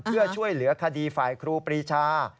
เพื่อช่วยเหลือคดีฝ่ายครูปรีชา